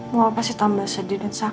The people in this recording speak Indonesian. mau apa sih tambah sedih dan sakit ya pak